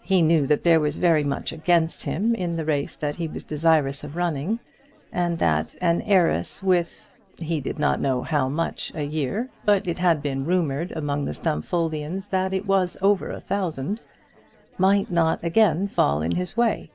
He knew that there was very much against him in the race that he was desirous of running, and that an heiress with he did not know how much a year, but it had been rumoured among the Stumfoldians that it was over a thousand might not again fall in his way.